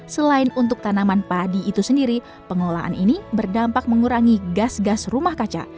selain untuk tanaman padi itu sendiri pengolahan ini berdampak mengurangi gas gas rumah kaca